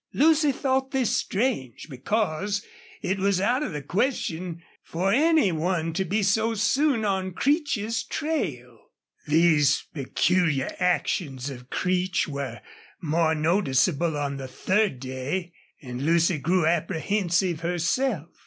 Lucy thought this strange, because it was out of the question for any one to be so soon on Creech's trail. These peculiar actions of Creech were more noticeable on the third day, and Lucy grew apprehensive herself.